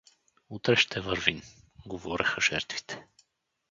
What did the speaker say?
Утре ще вървим — говореха жертвите.